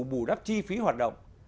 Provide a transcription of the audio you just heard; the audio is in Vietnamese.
bù đắp chi phí hoạt động